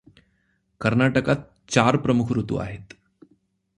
कर्नाटकात चार प्रमुख ऋतू आहेत.